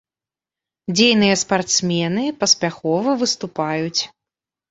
Дзейныя спартсмены, паспяхова выступаюць.